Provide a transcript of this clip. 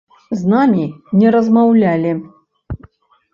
З намі не размаўлялі.